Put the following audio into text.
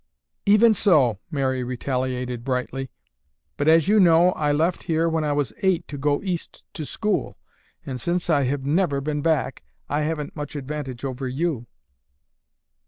"Even so," Mary retaliated brightly, "but, as you know, I left here when I was eight to go East to school and since I have never been back, I haven't much advantage over you."